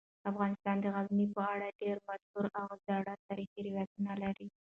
افغانستان د غزني په اړه ډیر مشهور او زاړه تاریخی روایتونه لري.